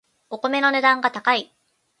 お米の値段が高い